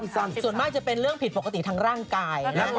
ส่วนมากจะเป็นเรื่องผิดปกติทางร่างกาย